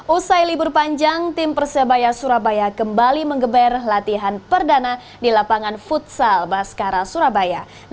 usai libur panjang tim persebaya surabaya kembali mengeber latihan perdana di lapangan futsal baskara surabaya